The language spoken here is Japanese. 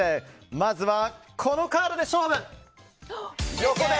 まずはこのカードで勝負！